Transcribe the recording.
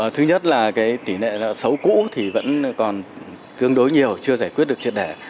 thứ nhất là tỷ lệ nợ xấu cũ thì vẫn còn tương đối nhiều chưa giải quyết được triệt đẻ